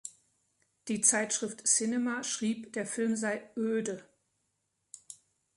Die Zeitschrift "Cinema" schrieb, der Film sei "„öde“".